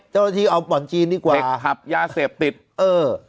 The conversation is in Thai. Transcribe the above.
เจ้าหน้าที่เอาบ่อนจีนดีกว่าไปขับยาเสพติดเออ